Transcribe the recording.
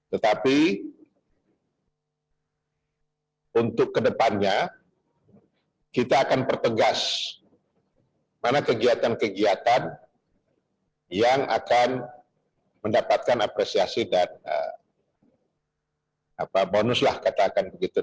tetapi untuk kedepannya kita akan pertegas mana kegiatan kegiatan yang akan mendapatkan apresiasi dan bonus lah katakan begitu